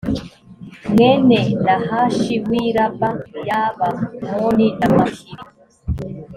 mwene nahashi w i raba y abamoni na makiri